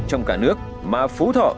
trong cả nước mà phú thọ